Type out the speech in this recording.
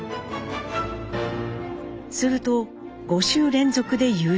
すると５週連続で優勝。